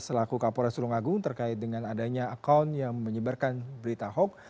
selaku kapolres tulung agung terkait dengan adanya akun yang menyebarkan berita hoax